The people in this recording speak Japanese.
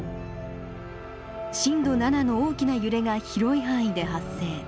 震度７の大きな揺れが広い範囲で発生。